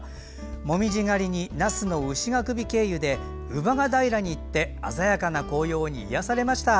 紅葉狩りに、那須の牛ヶ首経由で姥ヶ平に行って鮮やかな紅葉に癒やされました。